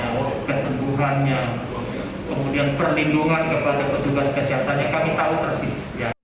penanganan perawatannya kesembuhannya kemudian perlindungan kepada petugas kesehatannya kami tahu tersis